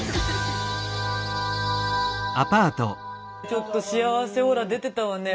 ちょっと幸せオーラ出てたわね。